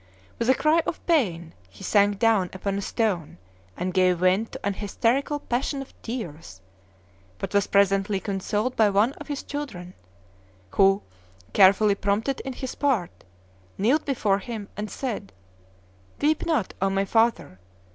With a cry of pain he sank down upon a stone, and gave vent to an hysterical passion of tears; but was presently consoled by one of his children, who, carefully prompted in his part, knelt before him and said: "Weep not, O my father!